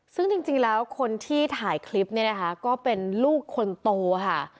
ซึ่งจริงแล้วคนที่ถ่ายคลิปเนี่ยนะคะก็เป็นลูกคนโตค่ะ